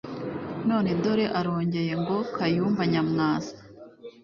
None dore arongeye ngo Kayumba Nyamwasa